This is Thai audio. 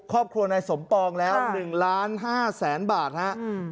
ขอบครัวนายสมปองแล้วค่ะหนึ่งล้านห้าแสนบาทฮะอืม